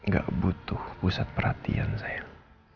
gak butuh pusat perhatian saya